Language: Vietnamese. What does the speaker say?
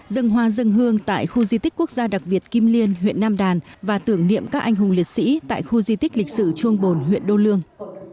dân hoa dân hương tại khu di tích quốc gia đặc biệt kim liên huyện nam đàn và tưởng niệm các anh hùng liệt sĩ tại khu di tích lịch sử chuông bồn huyện đô lương